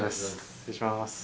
失礼します。